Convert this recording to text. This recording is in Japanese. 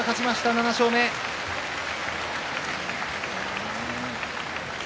７勝目です。